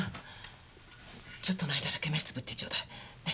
ちょっとの間だけ目つぶってちょうだい。ね？